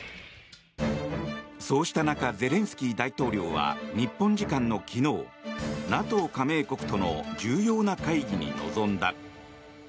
そうした中ゼレンスキー大統領は日本時間の昨日ＮＡＴＯ加盟国との重要な会議に臨んだ。